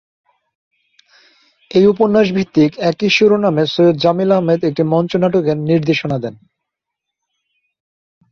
এই উপন্যাস ভিত্তিক একই শিরোনামে সৈয়দ জামিল আহমেদ একটি মঞ্চ নাটকের নির্দেশিত দেন।